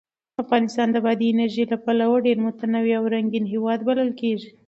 افغانستان د بادي انرژي له پلوه یو ډېر متنوع او رنګین هېواد بلل کېږي.